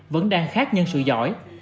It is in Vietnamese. vẫn đang khác nhân sự giỏi